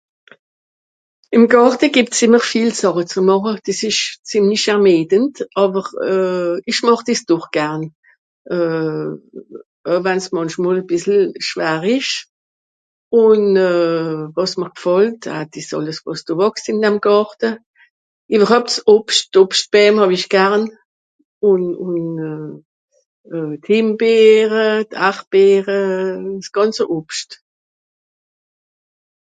ìm gàrte gebs ìmmer viel sàche zu màche des esch zemlich ermedent àwer euh esch màch des dòch garn euh euj wann's mànchmòl à bìssel schwar esch ùn euh wàs mr g'fàllt a des àlles wàs do wàchst ìn dm gàrte ìwerhäupst s'obst d'obstbäm hàw'isch garn ùn ùn euh d'himbeere d'ardbeere s'gànze obst